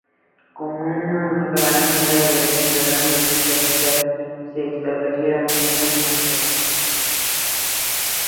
Como un gran número de ciudadanos de la ciudad se establecieron en el extranjero.